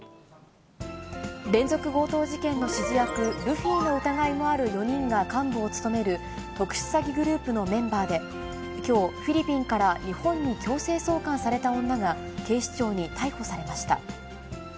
連続強盗事件の指示役、ルフィの疑いのある４人が幹部を務める特殊詐欺グループのメンバーで、きょう、フィリピンから日本に強制送還された女が、警視庁に逮捕されました。